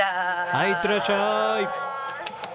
はいいってらっしゃい。